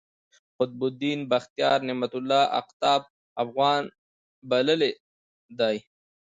قطب الدین بختیار، نعمت الله اقطب افغان بللی دﺉ.